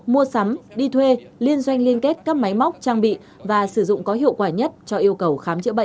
mua sắm đi thuê liên doanh liên kết các máy móc trang bị và sử dụng có hiệu quả nhất cho yêu cầu khám chữa bệnh